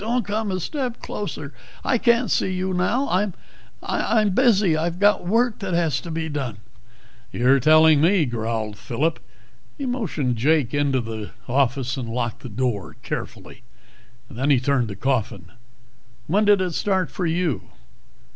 "Don't come a step closer. I can't see you now. I'm I'm busy, I've got work that has to be done " "You're telling me," growled Phillip. He motioned Jake into the office and locked the door carefully. Then he turned to Coffin. "When did it start for you?"